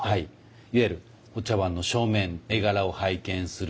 いわゆるお茶碗の正面絵柄を拝見する。